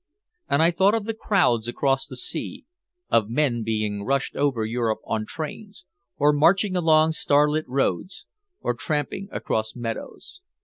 And I thought of the crowds across the sea of men being rushed over Europe on trains, or marching along starlit roads, or tramping across meadows.